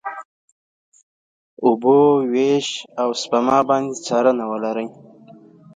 اوبو وېش، او سپما باندې څارنه ولري.